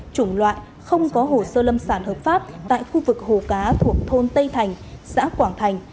chủng loại không có hồ sơ lâm sản hợp pháp tại khu vực hồ cá thuộc thôn tây thành xã quảng thành